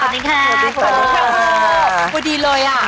สวัสดีเลยอะ